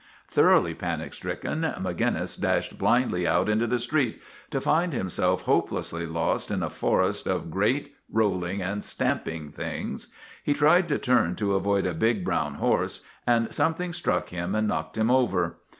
Thoroughly panic stricken, Maginnis dashed blindly out into the street, to find himself hopelessly lost in a forest of great rolling and stamping things. He tried to turn to avoid a big brown horse, and something struck him and knocked him over.